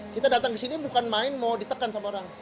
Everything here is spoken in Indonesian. kita datang ke sini bukan main mau ditekan sama orang